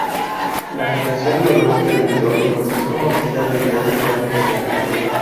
La fijación biológica de nitrógeno es conocida desde hace ya mucho tiempo.